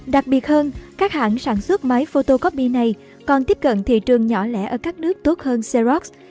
đặc biệt hơn các hãng sản xuất máy photocopy này còn tiếp cận thị trường nhỏ lẻ ở các nước tốt hơn seot